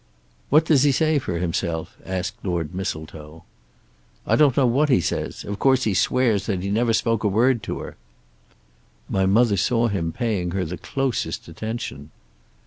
"What does he say for himself?" asked Lord Mistletoe. "I don't know what he says. Of course he swears that he never spoke a word to her." "My mother saw him paying her the closest attention."